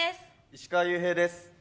石川裕平です。